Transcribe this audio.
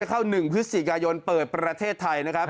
เข้า๑พฤศจิกายนเปิดประเทศไทยนะครับ